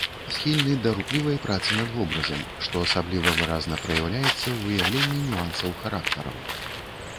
Схільны да руплівай працы над вобразам, што асабліва выразна праяўляецца ў выяўленні нюансаў характараў.